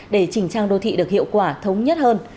để chỉnh trang đô thị được hiệu quả thống nhất hơn